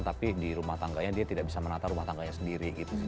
tapi di rumah tangganya dia tidak bisa menata rumah tangganya sendiri gitu